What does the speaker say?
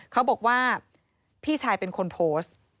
เขาบอกว่าพี่ชายเป็นคนโพสต์